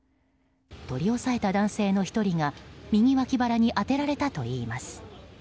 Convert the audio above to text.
取り押さえた男性の１人が右わき腹に当てられたといいます。